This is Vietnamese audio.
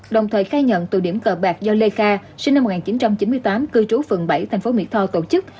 đồng thời khai nhận từ điểm cờ bạc do lê kha sinh năm một nghìn chín trăm chín mươi tám cư trú phường bảy thành phố mỹ tho tổ chức